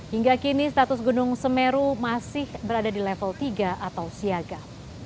hingga kini status gunung semeru masih berada di level tiga atau siaga